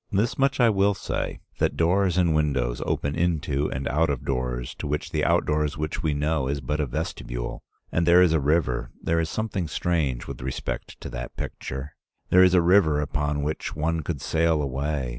This much I will say, that doors and windows open into and out of doors to which the outdoors which we know is but a vestibule. And there is a river; there is something strange with respect to that picture. There is a river upon which one could sail away.